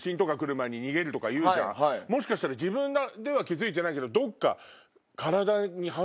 もしかしたら自分では気付いてないけどどっか。